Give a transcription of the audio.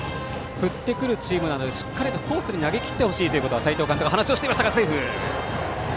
振ってくるチームなのでしっかりとコースに投げきってほしいと斎藤監督は話をしていました。